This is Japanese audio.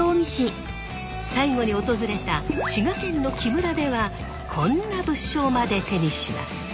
最後に訪れた滋賀県の木村ではこんな物証まで手にします。